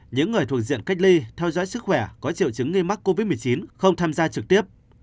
những người thuộc diện cách ly theo dõi sức khỏe có triệu chứng nghi mắc covid một mươi chín không tham gia trực tiếp